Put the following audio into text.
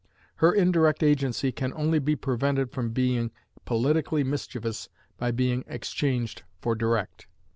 Her indirect agency can only be prevented from being politically mischievous by being exchanged for direct.